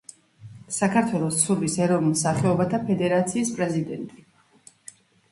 საქართველოს ცურვის ეროვნულ სახეობათა ფედერაციის პრეზიდენტი.